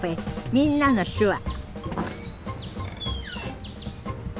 「みんなの手話」